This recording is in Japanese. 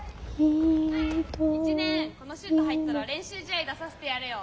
１年このシュート入ったら練習試合出させてやるよ。